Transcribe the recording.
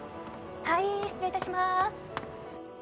はい失礼いたします